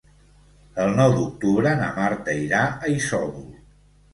El nou d'octubre na Marta irà a Isòvol.